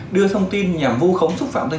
đưa thông tin nhằm vô khống